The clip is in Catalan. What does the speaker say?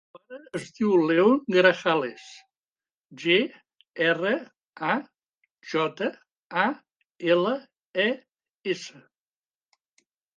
El meu pare es diu León Grajales: ge, erra, a, jota, a, ela, e, essa.